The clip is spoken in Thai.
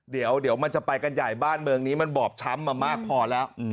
เดี๋ยวมันจะไปกันใหญ่บ้านเมืองนี้มันบอบช้ำมามากพอแล้ว